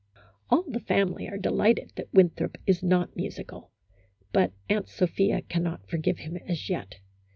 All the family are delighted that Winthrop is not musical, but Aunt Sophia cannot forgive him as yet.